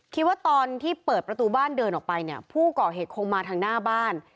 คิดว่าตอนที่เปิดประตูบ้านเดินออกไปเนี่ยผู้ก่อเหตุคงมาทางหน้าบ้าน